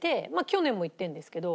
去年も行ってるんですけど。